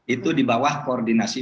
itu di bawah koordinasi